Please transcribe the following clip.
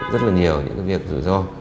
rất là nhiều những cái việc rủi ro